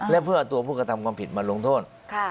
และเพื่อเอาตัวผู้กระทำความผิดมาลงโทษ